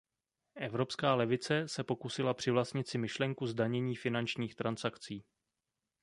Evropská levice se pokusila přivlastnit si myšlenku zdanění finančních transakcí.